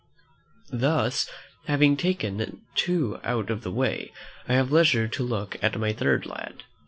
Thus having taken these two out of the way, I have leisure to look at my third lad.